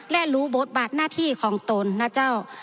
และรู้บทบาทหน้าที่ของตนนะเจ้า